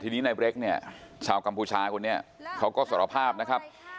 ทีนี้ในเบรกชาวกรรมผู้ชายเขาก็สรภาพนะครับ